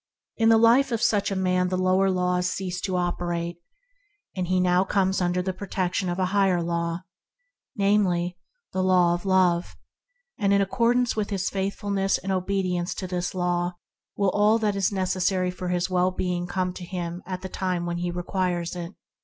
In the life of such a man the lower laws cease to operate, and he now comes under the protection of a higher Law — namely, the Law of Love; and in accordance with his faithfulness and obedience to this Law will all that is necessary for his well being come to him at the time he requires it.